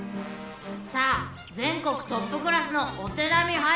さあ全国トップクラスのお手並み拝見！